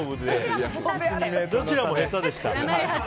どちらも下手でしたよ。